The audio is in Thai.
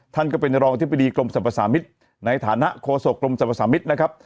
ท่านก็เป็นรองอธิบดีกรมสรรพสามิตรในฐานะโฆษกรมสรรพสามิตรนะครับ